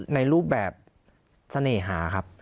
ในรูปแบบสะเหน่หา